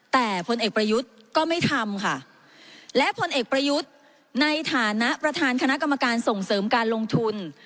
แต่พลเอกประยุทธ์ก็ไม่ทำค่ะและพลเอกประยุทธ์ในฐานะประธานคณะกรรมการส่งเสริมการลงทุน